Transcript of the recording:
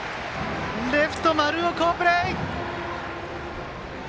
レフト、丸尾の好プレー！